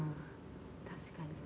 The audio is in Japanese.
確かにね。